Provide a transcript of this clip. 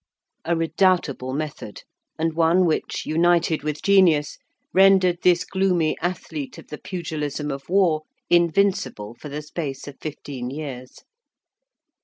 A redoubtable method, and one which, united with genius, rendered this gloomy athlete of the pugilism of war invincible for the space of fifteen years.